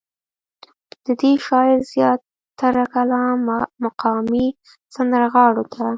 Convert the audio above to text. ددې شاعر زيات تره کلام مقامي سندرغاړو ته